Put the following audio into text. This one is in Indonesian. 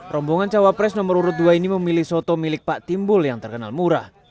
rombongan cawapres nomor urut dua ini memilih soto milik pak timbul yang terkenal murah